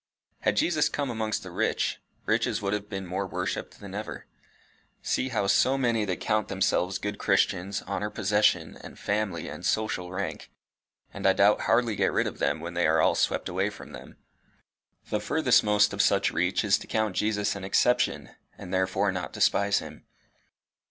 Had Jesus come amongst the rich, riches would have been more worshipped than ever. See how so many that count themselves good Christians honour possession and family and social rank, and I doubt hardly get rid of them when they are all swept away from them. The furthest most of such reach is to count Jesus an exception, and therefore not despise him.